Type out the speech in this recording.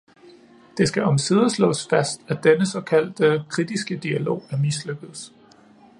Det skal omsider slås fast, at denne såkaldte kritiske dialog er mislykkedes.